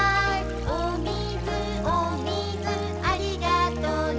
「おみずおみずありがとね」